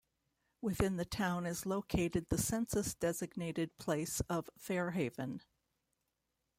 Within the town is located the census-designated place of Fair Haven.